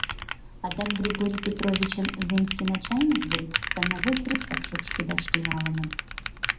Адак Григорий Петровичым земский начальник ден становой пристав шупшкедаш тӱҥалыныт.